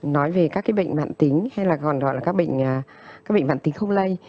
nói về các bệnh mạng tính hay còn gọi là các bệnh mạng tính không lây